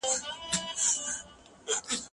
زه بايد ليکلي پاڼي ترتيب کړم؟!